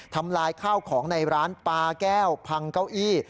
ทำลายข้าวของในร้านปลาแก้วพังเก้าอี้